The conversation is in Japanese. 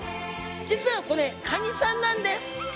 実はこれカニさんなんです。